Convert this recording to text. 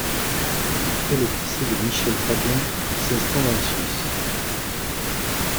Après le décès de Michèle Fabien, il s’installe en Suisse.